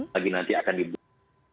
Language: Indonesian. lagi nanti akan dibuat